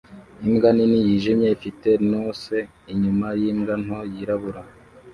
Imbwa nini yijimye ifite noce inyuma yimbwa nto yirabura